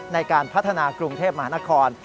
ในการพัฒนากรุงเทพมหานคร